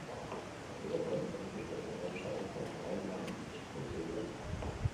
Atxilotuek delituzko historial luzea dute, eta epailearen esku utzi dituzte.